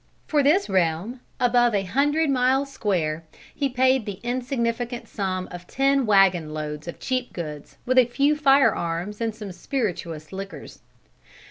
For this realm, above a hundred miles square, he paid the insignificant sum of ten wagon loads of cheap goods, with a few fire arms and some spirituous liquors.